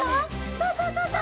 そうそうそうそう。